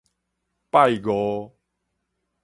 拜五